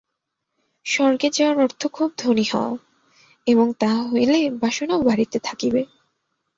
স্বর্গে যাওয়ার অর্থ খুব ধনী হওয়া, এবং তাহা হইলে বাসনাও বাড়িতে থাকিবে।